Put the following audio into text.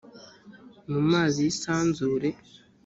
mu mazi y isanzure